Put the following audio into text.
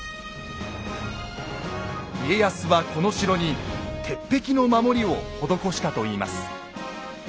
家康はこの城に鉄壁の守りを施したといいます。